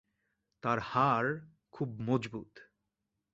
তার হাড় খুব মজবুত।